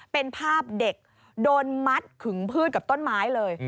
เป็นภาพเด็กโดนมัดขึงพืชกับต้นไม้เลย